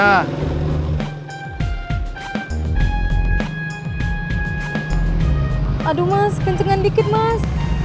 aduh mas kencengan dikit mas